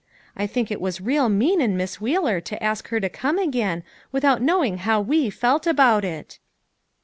I think it was real mean in Miss Wheeler to ask her to come again, without knowing how we felt about it."